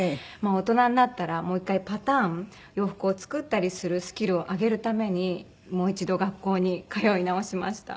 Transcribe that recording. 大人になったらもう１回パターン洋服を作ったりするスキルを上げるためにもう一度学校に通い直しました。